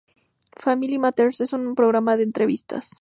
Family Matters es un programa de entrevistas.